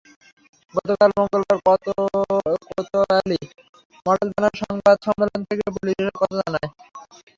গতকাল মঙ্গলবার কোতোয়ালি মডেল থানায় সংবাদ সম্মেলন ডেকে পুলিশ এসব কথা জানায়।